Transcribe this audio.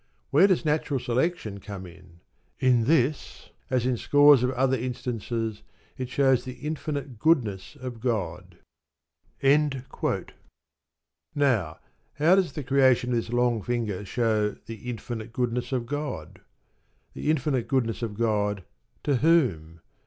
Where does natural selection come in? In this, as in scores of other instances, it shows the infinite goodness of God. Now, how does the creation of this long finger show the "infinite goodness of God"? The infinite goodness of God to whom?